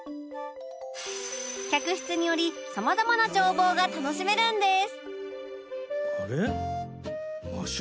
客室によりさまざまな眺望が楽しめるんです